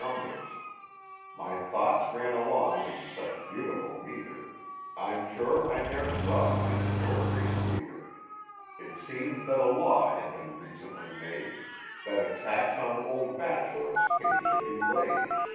numbers; My thoughts ran along in such beautiful metre I 'm sure I ne'er saw any poetry sweeter. It seemed that a law had been recently made, That a tax on old bachelors* pates should be laid.